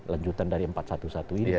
lanjutan dari empat ratus sebelas ini